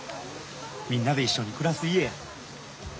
みんなで一緒に暮らす家や。